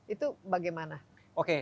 itu bagaimana oke